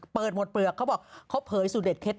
เปิดหมดเปลือกเขาบอกเขาเผยสูตเด็ดเคล็ด